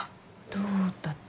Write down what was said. どうだった？